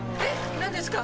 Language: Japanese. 何ですか？